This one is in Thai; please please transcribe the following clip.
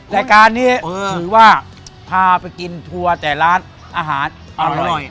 รายการนี้ถือว่าพาไปกินทัวร์แต่ร้านอาหารอร่อย